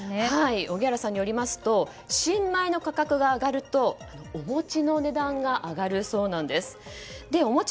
荻原さんによりますと新米の価格が上がるとお餅の値段が上がるそうです。